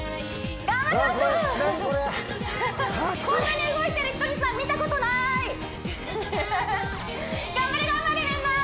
こんなに動いてるひとりさん見たことない！